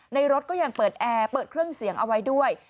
รถก็ยังเปิดแอร์เปิดเครื่องเสียงเอาไว้ด้วย